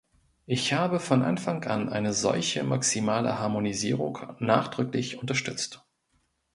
Ich habe von Anfang an eine solche maximale Harmonisierung nachdrücklich unterstützt.